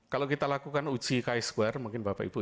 kalau kita lakukan uji ks dua mungkin bapak ibu